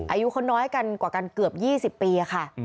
อายุเขาน้อยกันกว่ากันเกือบ๒๐ปีค่ะ